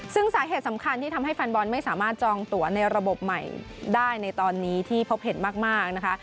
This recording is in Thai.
ซึ่งสาเหตุสำคัญที่ทำให้แฟนบอลไม่สามารถจองตัวในระบบใหม่ได้ในตอนนี้ที่พบเห็นมากนะคะ